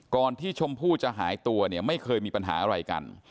ที่ชมพู่จะหายตัวเนี่ยไม่เคยมีปัญหาอะไรกัน